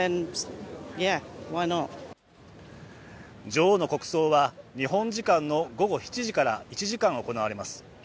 女王の国葬は日本時間の午後７時から１時間行われます。